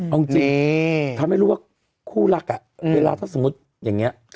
เอาจริงทำให้รู้ว่าคู่รักเวลาถ้าสมมุติอย่างนี้